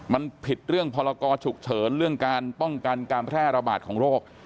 มันผิดเรื่องพรกรฉุกเฉินเรื่องการป้องกันการแพร่ระบาดของโรค